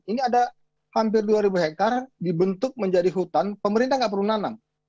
ini ada hampir dua ribu hekar dibentuk menjadi hutan pemerintah nggak perlu nanam